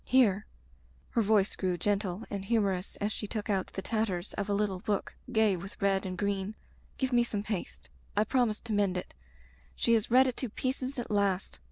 "Here," her voice grew gentle and humorous as she took out the tatters of a little book gay with red and green, "give me some paste. I promised to mend it. She has read it to pieces at last.